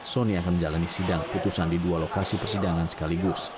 soni akan menjalani sidang putusan di dua lokasi persidangan sekaligus